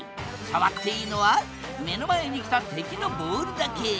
触っていいのは目の前に来た敵のボールだけ。